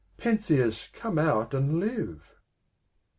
Pentheus, come out and live!"